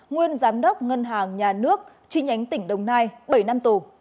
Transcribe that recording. nguyên giám đốc ngân hàng nhà nước chi nhánh tỉnh đồng nai bảy năm tù